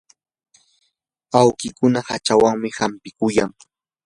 awkikuna hachawanmi hampikuyan.